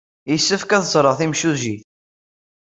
Yessefk ad ẓreɣ timsujjit.